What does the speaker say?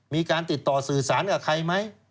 มีการติดต่อสื่อสารกับใครไหม